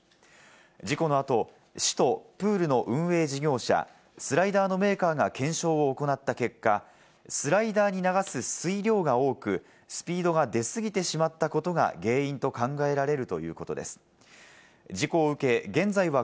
事故の後、市とプールの運営事業者、スライダーのメーカーが検証を行った結果、スライダーに流す水量が多く、スピードが出過ぎてここからは全国の気象情報です。